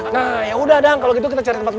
nah yaudah dang kalo gitu kita cari tempat makan aja